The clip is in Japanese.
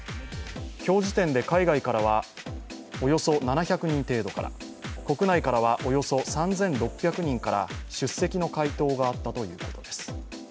今日時点で海外からは、およそ７００人程度から、国内からはおよそ３６００人から出席の回答があったということです。